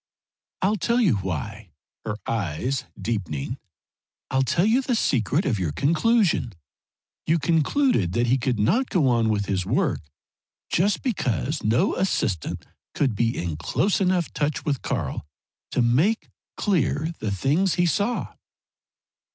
"I'll tell you why!" her eyes deepening. "I'll tell you the secret of your conclusion. You concluded he could not go on with his work just because no assistant could be in close enough touch with Karl to make clear the things he saw."